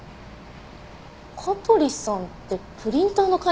香取さんってプリンターの会社の人ですよね？